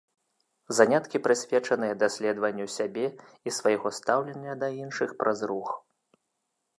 Заняткі прысвечаныя даследаванню сябе і свайго стаўлення да іншых праз рух.